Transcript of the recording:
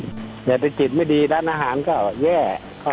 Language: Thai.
เดี๋ยวถ้ากิจไม่ดีร้านอาหารก็แย่